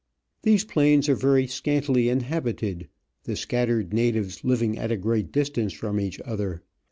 These plains are very scantily inhabited, the scattered natives living at a great distance from each other.